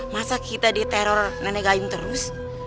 masa kita diteror nenek gain terus